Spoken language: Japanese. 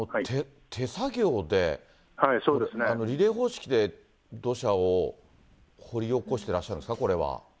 手作業で、リレー方式で土砂を掘り起こしてらっしゃるんですか、これは。